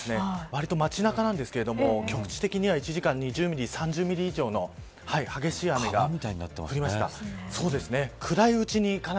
わりと街中なんですけど局地的には１時間に２０ミリ３０ミリ以上の激しい雨が降りました。